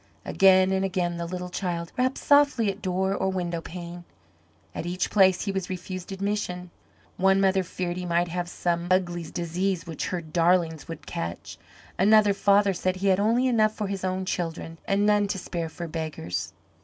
Again and again the little child rapped softly at door or window pane. At each place he was refused admission. One mother feared he might have some ugly disease which her darlings would catch; another father said he had only enough for his own children and none to spare for beggars.